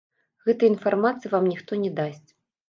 Гэтай інфармацыі вам ніхто не дасць.